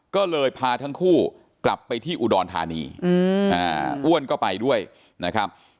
ก็เลยพาทั้งคู่กลับไปที่อุดรธานีอ้วนก็ไปด้วยนะครับ